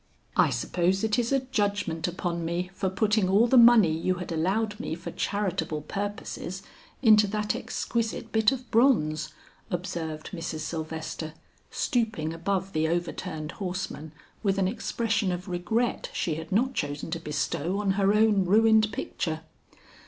"I suppose it is a judgment upon me for putting all the money you had allowed me for charitable purposes, into that exquisite bit of bronze," observed Mrs. Sylvester, stooping above the overturned horseman with an expression of regret she had not chosen to bestow on her own ruined picture.